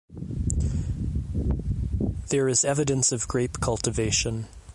There is evidence of grape cultivation.